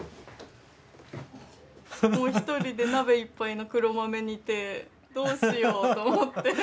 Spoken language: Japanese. もう１人で鍋いっぱいの黒豆煮てどうしようと思って。